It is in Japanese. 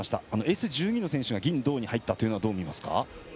Ｓ１２のクラスが銀、銅に入ったのはどう見ますか？